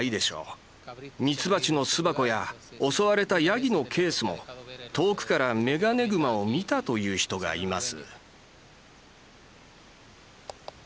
蜜蜂の巣箱や襲われたヤギのケースも遠くからメガネグマを見たという人がいます。